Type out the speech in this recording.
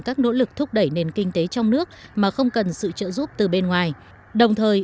các nỗ lực thúc đẩy nền kinh tế trong nước mà không cần sự trợ giúp từ bên ngoài đồng thời